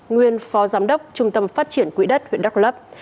nguyên phó giám đốc trung tâm phát triển quỹ đất huyện đắk lấp